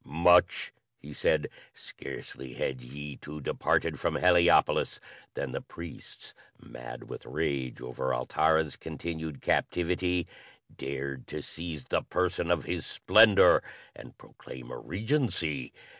"Much," he said. "Scarcely had ye two departed from Heliopolis than the priests, mad with rage over Altara's continued captivity, dared to seize the person of His Splendor and proclaim a regency.